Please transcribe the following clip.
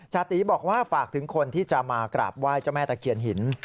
จาติบอกว่าฝากถึงคนที่จะมากราบไหว้เจ้าแม่ตะเคียนหิน